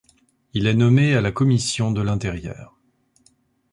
Il est nommé à la Commission de l'intérieur.